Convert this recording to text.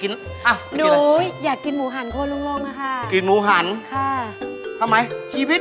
กินเหรอฮะก็มันมันหมูหันเนี่ยมันอยู่ของมันอย่างนี้